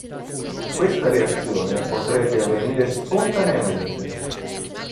Questa reazione potrebbe avvenire spontaneamente.